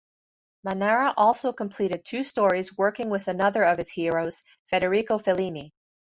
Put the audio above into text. Manara also completed two stories working with another of his heroes, Federico Fellini.